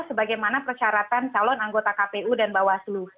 sebagaimana persyaratan calon anggota kpu dan bawaslu